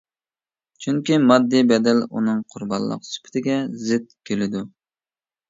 چۈنكى ماددىي بەدەل ئۇنىڭ قۇربانلىق سۈپىتىگە زىت كېلىدۇ.